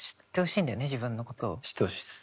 知ってほしいっす。